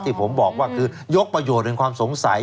ที่ผมบอกว่าคือยกประโยชน์แห่งความสงสัย